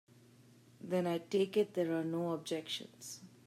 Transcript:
Then I take it there are no objections.